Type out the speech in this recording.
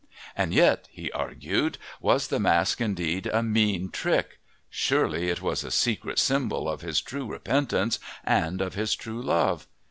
And yet, he argued, was the mask indeed a mean trick? Surely it was a secret symbol of his true repentance and of his true love.